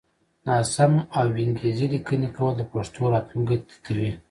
ناسم او وينگيزې ليکنې کول د پښتو راتلونکی تتوي